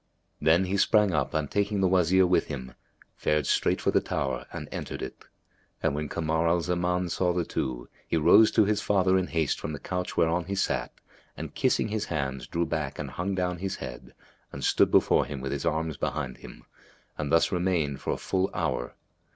'' Then he sprang up and, taking the Wazir, with him, fared straight for the tower and entered it. And when Kamar al Zaman saw the two, he rose to his father in haste from the couch whereon he sat and kissing his hands drew back and hung down his head and stood before him with his arms behind him, and thus remained for a full hour.